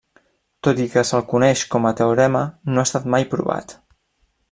Tot i que se'l coneix com a teorema no ha estat mai provat.